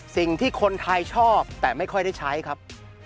สิ่งที่คนไทยชอบแต่ไม่ค่อยได้ใช้ครับ